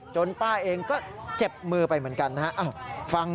ป้าเองก็เจ็บมือไปเหมือนกันนะฮะ